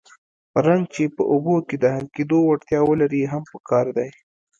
رنګ چې په اوبو کې د حل کېدو وړتیا ولري هم پکار دی.